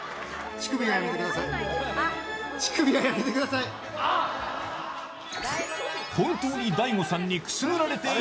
乳首はやめてください。